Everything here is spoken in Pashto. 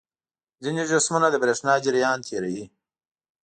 ځینې جسمونه د برېښنا جریان تیروي.